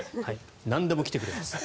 なんでも来てくれます。